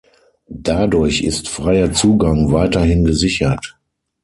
Dadurch ist freier Zugang weiterhin gesichert.